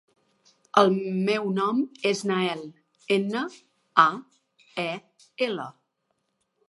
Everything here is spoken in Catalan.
El meu nom és Nael: ena, a, e, ela.